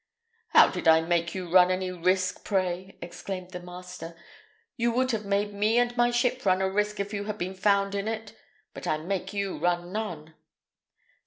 "How did I make you run any risk, pray?" exclaimed the master. "You would have made me and my ship run a risk if you had been found in it; but I made you run none."